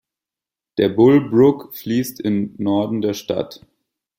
Der Bull Brook fließt im Norden der Stadt.